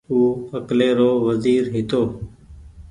او اڪلي رو وزير هيتو